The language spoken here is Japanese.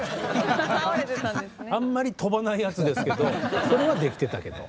あんまり飛ばないやつですけどそれはできてたけど。